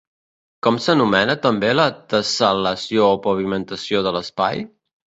Com s'anomena també la tessel·lació o pavimentació de l'espai?